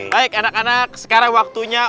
baik anak anak sekarang waktunya